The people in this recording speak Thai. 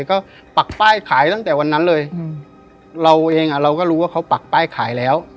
ก็ปักป้ายขายตั้งแต่วันนั้นเลยเราเองอ่ะเราก็รู้ว่าเขาปักป้ายขายแล้ว